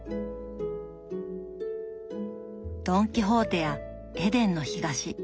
「ドン・キホーテ」や「エデンの東」。